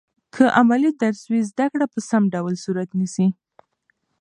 که عملي درس وي، زده کړه په سم ډول صورت نیسي.